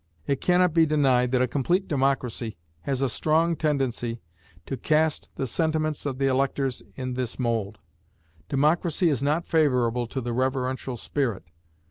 It can not be denied that a complete democracy has a strong tendency to cast the sentiments of the electors in this mould. Democracy is not favorable to the reverential spirit.